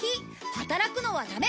働くのはダメ！